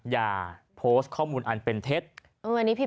อย่าโพสต์ข้อมูลอันเป็นเท็จ